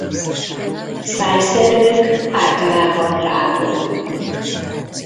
Szájszervük általában rágó.